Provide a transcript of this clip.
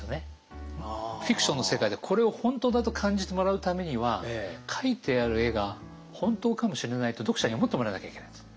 フィクションの世界でこれを本当だと感じてもらうためには描いてある絵が本当かもしれないと読者に思ってもらわなきゃいけないんです。